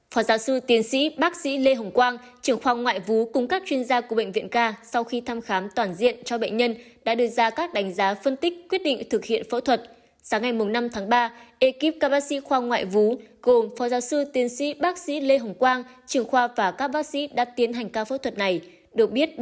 phó giáo sư tiến sĩ bác sĩ lê hồng quang trưởng khoa ngoại vú cùng các chuyên gia của bệnh viện ca sau khi thăm khám toàn diện cho bệnh nhân đã đưa ra các đánh giá phân tích quyết định thực hiện phẫu thuật